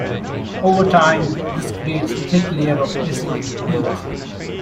Over time, this creates a thick layer of acidic peat.